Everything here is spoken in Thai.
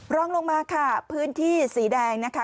รองลงมาค่ะพื้นที่สีแดงนะคะ